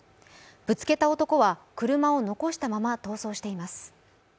ぶつけた男は車を残したまま逃走しています。